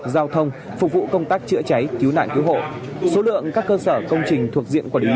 giao thông phục vụ công tác chữa cháy cứu nạn cứu hộ số lượng các cơ sở công trình thuộc diện quản lý